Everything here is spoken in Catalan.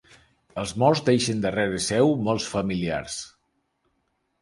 Els morts deixen darrere seu molts familiars.